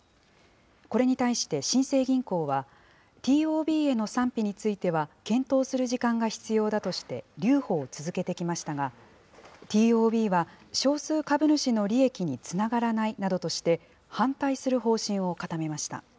これに対して新生銀行は、ＴＯＢへの賛否については検討する時間が必要だとして、留保を続けてきましたが、ＴＯＢは少数株主の利益につながらないなどとして、反対する方針を固めました。